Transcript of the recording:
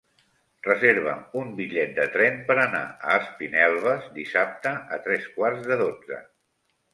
Reserva'm un bitllet de tren per anar a Espinelves dissabte a tres quarts de dotze.